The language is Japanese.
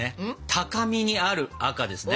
高みにある赤ですね